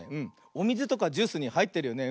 おみずとかジュースにはいってるよね。